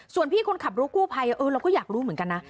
ส่วนพี่คนขับรถกู้ภัยเราก็อยากรู้เหมือนกันนะ